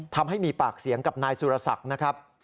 ทำให้มีปากเสียงกับนายสุรศักดิ์นะครับ